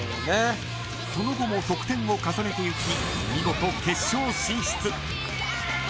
その後も得点を重ねていき見事、決勝進出。